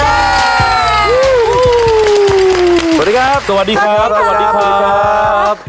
สวัสดีครับสวัสดีครับสวัสดีครับสวัสดีครับ